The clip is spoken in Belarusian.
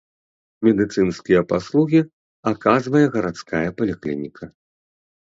Медыцынскія паслугі аказвае гарадская паліклініка.